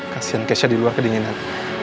kasian kesha di luar kedinginan